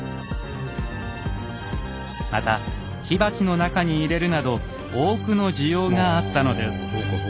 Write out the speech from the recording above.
また火鉢の中に入れるなど多くの需要があったのです。